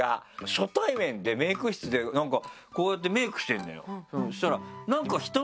初対面でメイク室でなんかこうやってメイクしてるのよ。